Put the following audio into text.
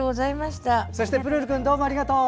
そしてプルルくんどうもありがとう！